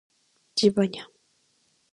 ジバニャン